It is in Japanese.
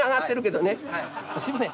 すいません。